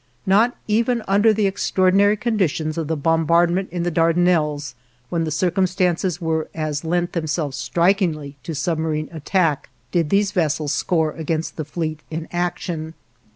Not even under the extraordinary conditions of the bombardment in the Dardanelles, when the circumstances were such as lent themselves strikingly to submarine attack, did these vessels score against the fleet in action.